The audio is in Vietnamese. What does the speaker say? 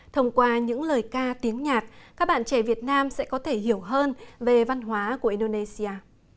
thông qua những lời ca tiếng nhạc các bạn trẻ việt nam sẽ có thể hiểu hơn về văn hóa của indonesia